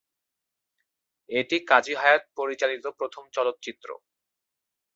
এটি কাজী হায়াৎ পরিচালিত প্রথম চলচ্চিত্র।